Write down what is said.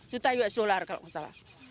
sembilan puluh juta usd kalau nggak salah